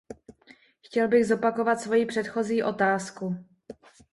Chtěl bych zopakovat svoji předchozí otázku.